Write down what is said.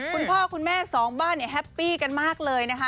คุณพ่อคุณแม่สองบ้านเนี่ยแฮปปี้กันมากเลยนะคะ